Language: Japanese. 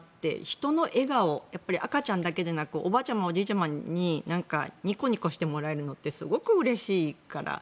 人の笑顔、赤ちゃんだけでなくおばあちゃま、おじいちゃまにニコニコしてもらえるのってすごくうれしいから。